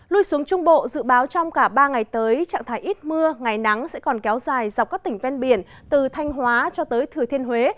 lui xuống trung bộ dự báo trong cả ba ngày tới trạng thái ít mưa ngày nắng sẽ còn kéo dài dọc các tỉnh ven biển từ thanh hóa cho tới thừa thiên huế